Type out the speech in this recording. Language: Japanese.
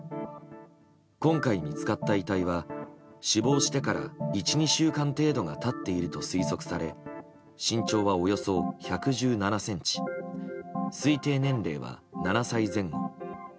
今回見つかった遺体は死亡してから１２週間程度が経っていると推測され身長はおよそ１１７ｃｍ推定年齢は７歳前後。